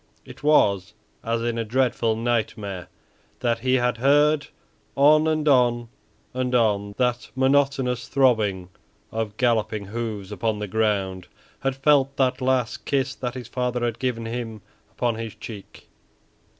It was as in a dreadful nightmare that he had heard on and on and on that monotonous throbbing of galloping hoofs upon the ground; had felt that last kiss that his father had given him upon his cheek.